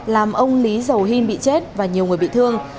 làm ông lý dầu hin bị chết và nhiều người bị thương